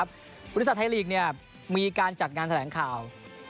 บริษัทไทยลีกมีการจัดงานแถลงข่าว